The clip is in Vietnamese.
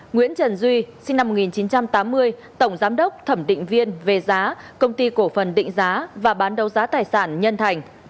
nguyễn trần duy sinh năm một nghìn chín trăm tám mươi tổng giám đốc thẩm định viên về giá công ty cổ phần định giá và bán đấu giá tài sản nhân thành